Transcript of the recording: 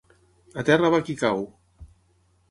A terra va qui cau!